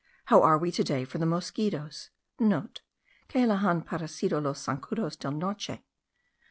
How are we to day for the mosquitos?* (* Que le han parecido los zancudos de noche?